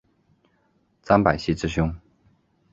张百熙之兄。